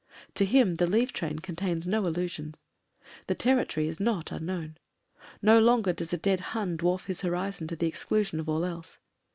To him the leave train contains no illusions; the territory is not un known. No longer does a dead Hun dwarf his horizon to the exclusion of all else.